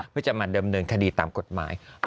เพื่อจะมาเดิมเนินคดีตามกฎหมาย